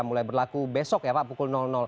mulai berlaku besok ya pak pukul